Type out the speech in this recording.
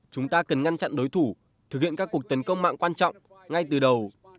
chúng ta cần ngăn chặn đối thủ thực hiện các cuộc tấn công mạng quan trọng ngay từ đầu